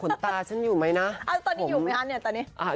ตาฉันอยู่ไหมนะตอนนี้อยู่ไหมคะเนี่ยตอนนี้อ่า